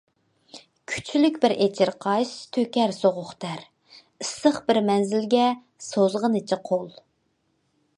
كۈچلۈك بىر ئېچىرقاش تۆكەر سوغۇق تەر، ئىسسىق بىر مەنزىلگە سوزغىنىچە قول.